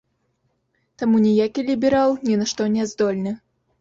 Таму ніякі ліберал ні на што не здольны.